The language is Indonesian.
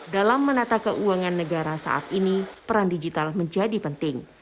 dalam menata keuangan negara saat ini peran digital menjadi penting